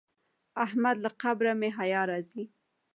احمد له قبره مې حیا راځي.